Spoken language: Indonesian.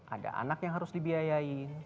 ada anak yang harus dibiayain